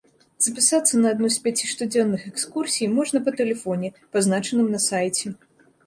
Запісацца на адну з пяці штодзённых экскурсій можна па тэлефоне, пазначаным на сайце.